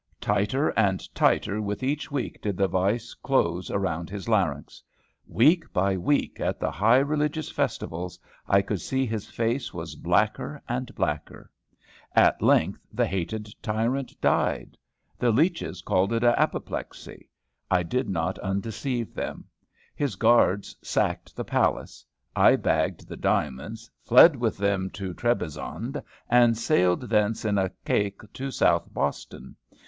Tighter and tighter with each week did the vice close around his larynx. Week by week, at the high religious festivals, I could see his face was blacker and blacker. At length the hated tyrant died. The leeches called it apoplexy. I did not undeceive them. His guards sacked the palace. I bagged the diamonds, fled with them to Trebizond, and sailed thence in a caïque to South Boston.